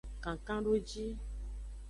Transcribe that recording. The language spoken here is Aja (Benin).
Kankandoji.